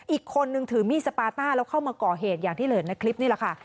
อีกคนนึงถือมีดสปาต้าแล้วเข้ามาก่อเหตุอย่างที่เห็นในคลิปนี่แหละค่ะ